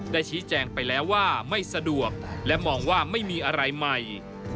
ชี้แจงไปแล้วว่าไม่สะดวกและมองว่าไม่มีอะไรใหม่